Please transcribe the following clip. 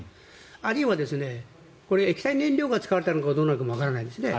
あるいは液体燃料が使われたのかどうなのかもわからないんですね。